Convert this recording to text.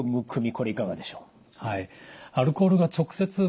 これいかがでしょう？